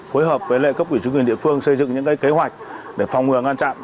phối hợp với lệ cấp quỷ chứng minh địa phương xây dựng những kế hoạch để phòng ngừa ngăn chặn